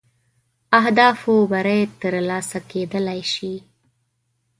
اهدافو بری تر لاسه کېدلای شي.